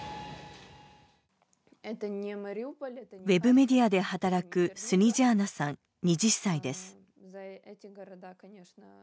ウェブメディアで働くスニジャーナさん、２０歳です。